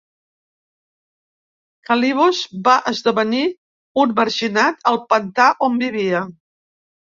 Calibos va esdevenir un marginat al pantà on vivia.